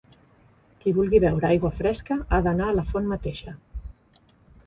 Qui vulgui beure aigua fresca ha d'anar a la font mateixa.